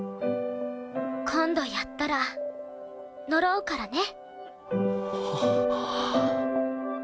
今度やったら呪うからね？